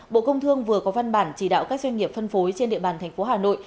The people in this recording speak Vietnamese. bộ công thương vừa có văn bản chỉ đạo các doanh nghiệp phân phối trên địa bàn thành phố hà nội